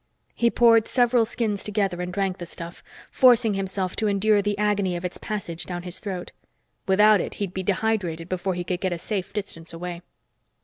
He poured several skins together and drank the stuff, forcing himself to endure the agony of its passage down his throat. Without it, he'd be dehydrated before he could get a safe distance away.